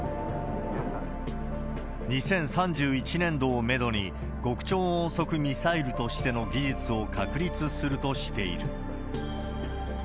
２０３１年度をメドに、極超音速ミサイルとしての技術を確立するとしている。